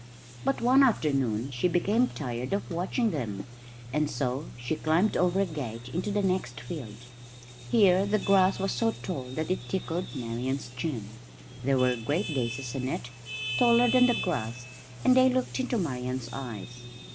But one afternoon she became tired of watching them, and so she climbed over a gate into the next field. Here the grass was so tall that it tickled Marian's chin. There were great daisies in it, taller than the grass, and they looked into Marian's eyes.